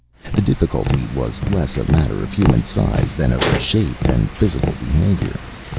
The difficulty was less a matter of human size than of shape and physical behavior.